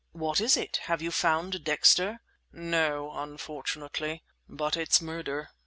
"What is it? Have you found Dexter?" "No, unfortunately. But it's murder!"